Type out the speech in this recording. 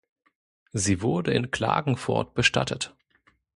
Sie wurde in Klagenfurt bestattet.